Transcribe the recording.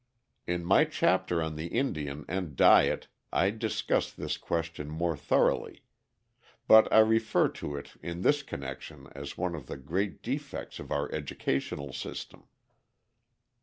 In my chapter on the Indian and diet I discuss this question more thoroughly, but I refer to it in this connection as one of the great defects of our educational system.